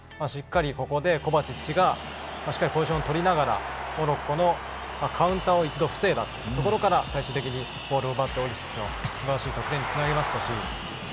ここでコバチッチがしっかりポジションを取りながらモロッコのカウンターを一度防いだところから最終的にボールを奪ってオルシッチのすばらしい得点につなげました。